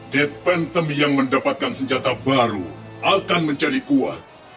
death phantom yang mendapatkan senjata baru akan menjadi kuat